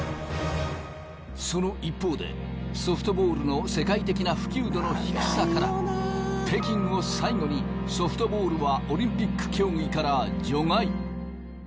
その一方でソフトボールの世界的な普及度の低さから北京を最後にソフトボールはオリンピック競技から除外。